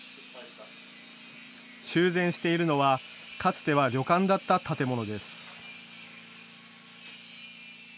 修繕しているのはかつては旅館だった建物です。